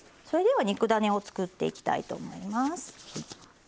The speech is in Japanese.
それでは肉だねを作っていきたいと思います。